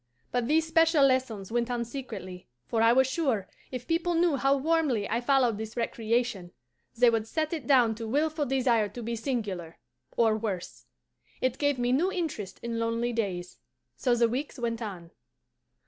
But these special lessons went on secretly, for I was sure, if people knew how warmly I followed this recreation, they would set it down to wilful desire to be singular or worse. It gave me new interest in lonely days. So the weeks went on.